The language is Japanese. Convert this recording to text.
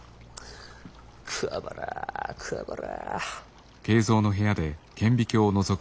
くわばらくわばら。